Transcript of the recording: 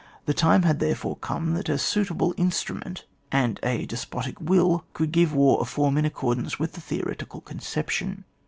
The time had therefore come that a suitable in strument and a despotic will could give war a form in accordance with the theoretical conception.